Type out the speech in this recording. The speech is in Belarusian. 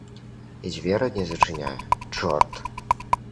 І дзверы не зачыняе, чорт.